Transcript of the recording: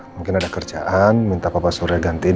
mungkin ada kerjaan minta bapak surya gantiin